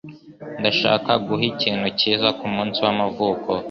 Ndashaka guha ikintu cyiza kumunsi w'amavuko.